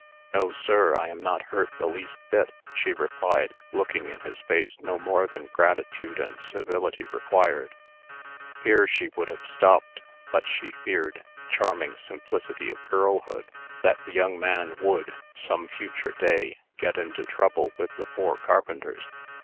"No, sir; I am not hurt the least bit," she replied, looking in his face no more than gratitude and civility required. Here she would have stopped, but she feared (charming simplicity of girlhood) that the young man would, some future day, get into trouble with the four carpenters.